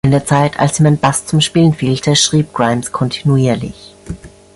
In der Zeit, als ihm ein Bass zum Spielen fehlte, schrieb Grimes kontinuierlich.